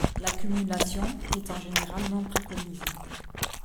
L'accumulation est en général non préconisée.